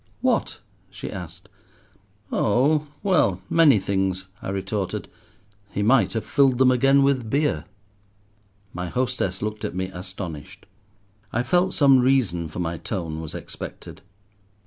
"What?" she asked. "Oh! well, many things," I retorted. "He might have filled them again with beer." My hostess looked at me astonished. I felt some reason for my tone was expected.